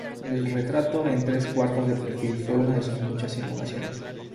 El retrato en tres cuartos de perfil fue una de sus muchas innovaciones.